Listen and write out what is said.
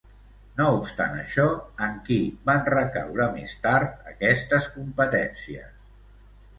No obstant això, en qui van recaure més tard aquestes competències?